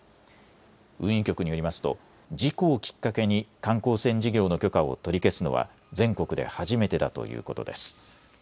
運輸局によりますと事故をきっかけに観光船事業の許可を取り消すのは全国で初めてだということです。